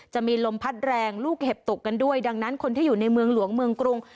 จะมีลมพัดแรงลูกเห็บตกกันด้วยดังนั้นคนที่อยู่ในเมืองหลวงเมืองกรุง